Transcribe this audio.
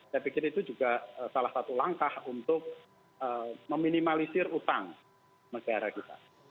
saya pikir itu juga salah satu langkah untuk meminimalisir utang negara kita